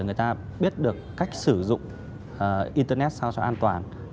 người ta biết được cách sử dụng internet sao cho an toàn